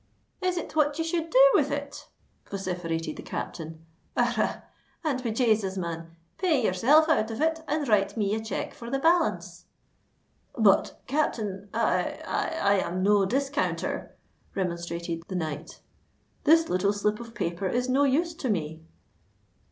"Is it what you should do with it?" vociferated the captain. "Arrah! and be Jasus, man, pay yourself out of it and write me a cheque for the balance." "But, captain—I—I am no discounter," remonstrated the knight. "This little slip of paper is no use to me."